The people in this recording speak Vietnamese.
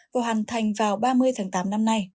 và hoàn thành vào ba mươi tháng tám năm nay